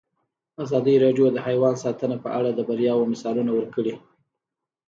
ازادي راډیو د حیوان ساتنه په اړه د بریاوو مثالونه ورکړي.